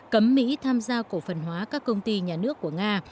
cấm mỹ tham gia cổ phần hóa các công ty nhà nước của nga